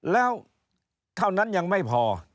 แล้วเท่านั้นยังไม่พอ